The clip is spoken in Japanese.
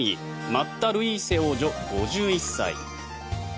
マッタ・ルイーセ王女、５１歳。